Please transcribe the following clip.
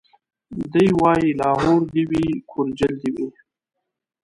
دی وايي لاهور دي وي کورجل دي وي